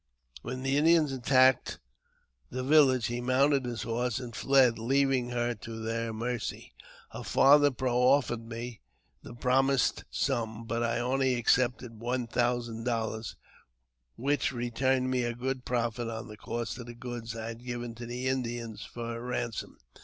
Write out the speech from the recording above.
When the Indians attacked the village, he mounted his horse and fled, leaving her to their mercy. Her father proffered me the promised sum, but I only accepted one thousand dollars, which returned me a very good profit on the cost of the goods I had given to the Indians for her ransom.